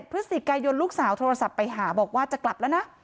พฤศจิกายนลูกสาวโทรศัพท์ไปหาบอกว่าจะกลับแล้วนะ